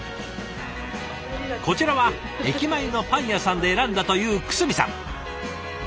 こちらは駅前のパン屋さんで選んだという久須美さん。